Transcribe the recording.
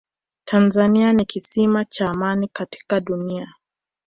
tanzania ni kisima cha amani katika dunia